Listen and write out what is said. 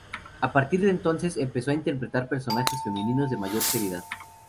A partir de entonces empezó a interpretar personajes femeninos de mayor seriedad.